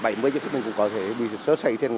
nhiều khi mình cũng có thể bị sớt xây thêm